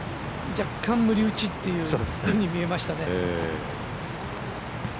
若干、無理打ちっていうふうに見えました。